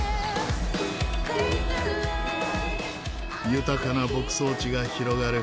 豊かな牧草地が広がる